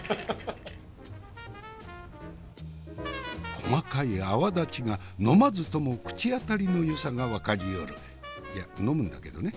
細かい泡立ちが呑まずとも口当たりのよさが分かりよるいや呑むんだけどね。